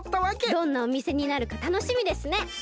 どんなおみせになるかたのしみですね！